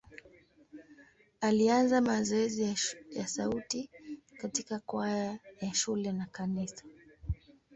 Alianza mazoezi ya sauti katika kwaya ya shule na kanisa.